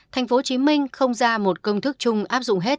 tp hcm không ra một công thức chung áp dụng hết